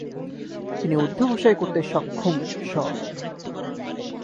তিনি অধ্যবসায় করতে সক্ষম ষ।